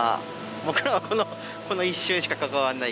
僕らはこの一瞬しか関わらないけど。